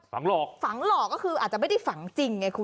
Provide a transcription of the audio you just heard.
หลอกฝังหลอกก็คืออาจจะไม่ได้ฝังจริงไงคุณ